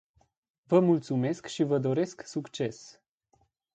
Vă mulțumesc și vă doresc succes.